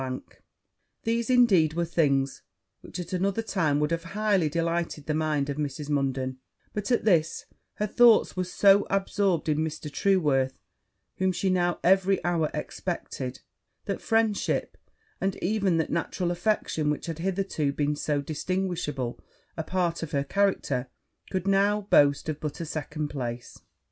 These, indeed, were the things which at another time would have highly delighted the mind of Mrs. Munden; but at this her thoughts were so absorbed in Mr. Trueworth, whom she now every hour expected, that friendship, and even that natural affection which had hitherto been so distinguishable a part of her character, could not boast of but a second place.